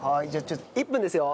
１分ですよ。